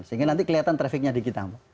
sehingga nanti kelihatan trafficnya digital